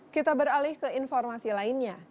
kita beralih ke informasi lainnya